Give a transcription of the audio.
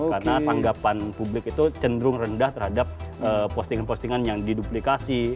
karena tanggapan publik itu cenderung rendah terhadap postingan postingan yang diduplikasi